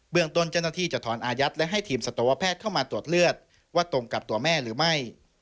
ตนเจ้าหน้าที่จะถอนอายัดและให้ทีมสัตวแพทย์เข้ามาตรวจเลือดว่าตรงกับตัวแม่หรือไม่